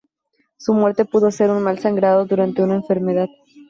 Su muerte pudo ser un mal sangrado durante una enfermedad.